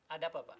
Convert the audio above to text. ada apa pak